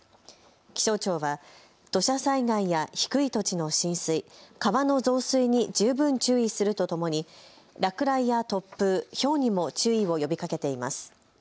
気象庁は土砂災害や低い土地の浸水、川の増水に十分注意するとともに落雷や突風、ひょうにも注意を呼びかけています。